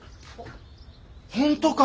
本当か！？